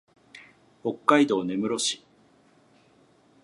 北海道根室市